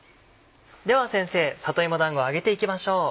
では先生里芋だんごを揚げていきましょう。